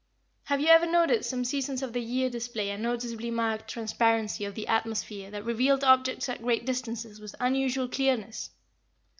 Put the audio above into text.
"Have you ever noticed some seasons of the year display a noticeably marked transparency of the atmosphere that revealed objects at great distances with unusual clearness?